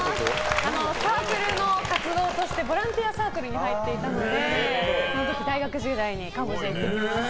サークルの活動としてボランティアサークルに入っていたのでその時、大学時代にカンボジアに行きました。